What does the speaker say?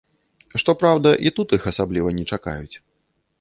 Што праўда, і тут іх асабліва не чакаюць.